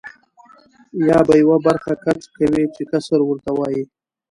یا به یوه برخه کټ کوې چې قصر ورته وایي.